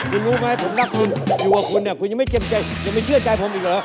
คุณรู้ไหมผมรักคุณอยู่กับคุณเนี่ยคุณยังไม่เต็มใจยังไม่เชื่อใจผมอีกเหรอ